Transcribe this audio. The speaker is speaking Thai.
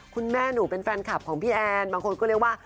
คุณแม่หนูเป็นแฟนคลับของพี่แอนบางคนก็เรียกว่า